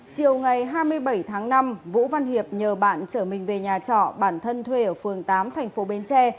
chiều ngày hai mươi bảy tháng năm vũ văn hiệp nhờ bạn trở mình về nhà trọ bản thân thuê ở phường tám tp bến tre